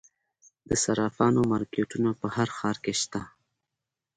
د صرافانو مارکیټونه په هر ښار کې شته